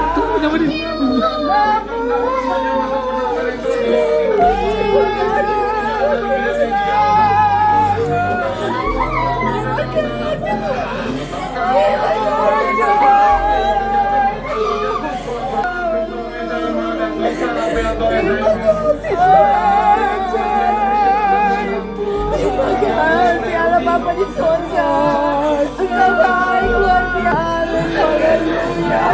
turut serta melakukan pembunuhan berencana